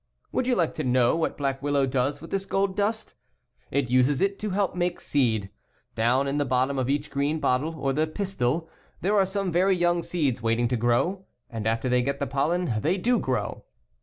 Would you like to know what Black Willow does with this gold dust? It uses it to help make seed. Down in the hottom of each green bottle, or pistil, there are some very young seeds waiting to grow, and after they get the pollen they do grow.